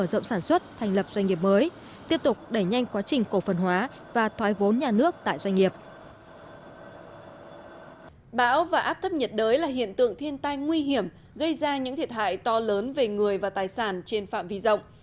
gây ra những thiệt hại to lớn về người và tài sản trên phạm vi rộng